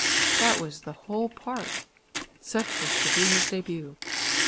That was the whole part! Such was to be his début!